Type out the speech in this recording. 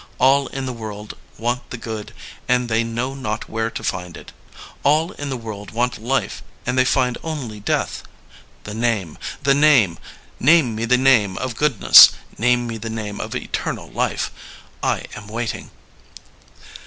All in the world want the good and they know not where to find it. All in the world want life and they find only death. The name! The name I Name me the name of goodness, name me the name of eternal life I I am waiting.''